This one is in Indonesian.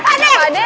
pade isutun yuk